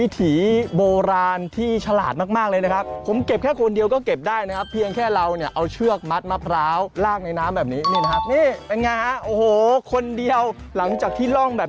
ตอนนี้คือการเดินทางของมะพร้าวนะครับสังเกตนี้นะครับ